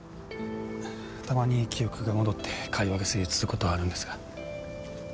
たまに記憶が戻って会話が成立する事はあるんですが。